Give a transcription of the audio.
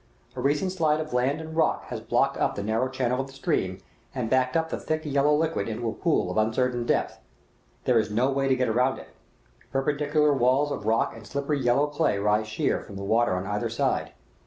A recent slide of land and rock has blocked up the narrow channel of the stream, and backed up the thick yellow liquid into a pool of uncertain depth. There is no way to get around it; perpendicular walls of rock and slippery yellow clay rise sheer from the water on either side.